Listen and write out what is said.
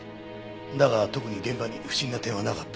だが特に現場に不審な点はなかった。